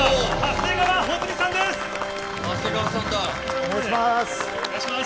お願いします。